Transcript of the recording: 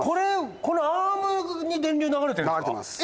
このアームに電流流れてるんですか？